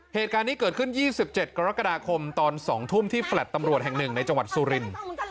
เหตุการณ์นี้เกิดขึ้น๒๗กรกฎาคมตอน๒ทุ่มที่แฟลต์ตำรวจแห่งหนึ่งในจังหวัดสุรินทร์